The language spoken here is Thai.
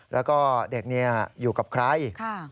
แล้วก็เด็กอยู่กับใคร